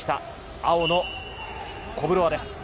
青のコブロワです。